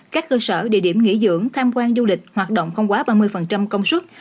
các cơ sở địa điểm nghỉ dưỡng tham quan du lịch hoạt động không quá ba mươi công suất